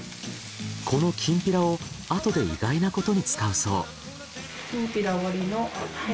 このきんぴらをあとで意外なことに使うそう。